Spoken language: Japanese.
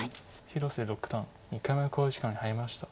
広瀬六段２回目の考慮時間に入りました。